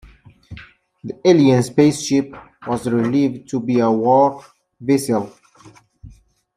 The alien spaceship was revealed to be a war vessel.